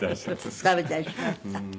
食べたりしました。